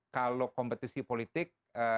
kalau kompetisi politik